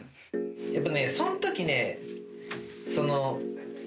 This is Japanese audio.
やっぱねそのときねその。